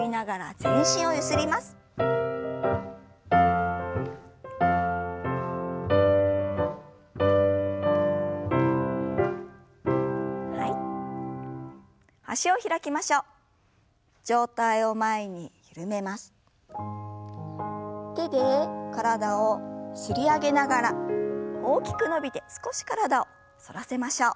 手で体を擦り上げながら大きく伸びて少し体を反らせましょう。